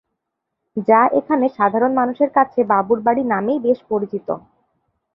যা এখানে সাধারণ মানুষের কাছে বাবুর বাড়ি নামেই বেশ পরিচিত।